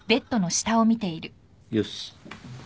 よし。